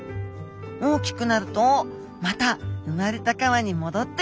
大きくなるとまた生まれた川に戻ってくるんです